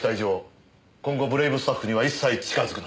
今後ブレイブスタッフには一切近づくな。